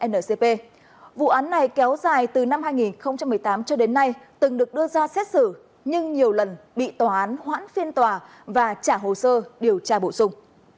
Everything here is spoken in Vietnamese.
vụ án này kéo dài từ năm hai nghìn một mươi tám cho đến nay từng được đưa ra xét xử nhưng nhiều lần bị tòa án hoãn phiên tòa và trả hồ sơ điều tra bổ sung